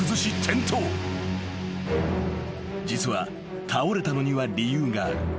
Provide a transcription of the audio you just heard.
［実は倒れたのには理由がある］